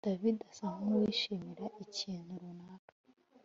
David asa nkuwishimiye ikintu runaka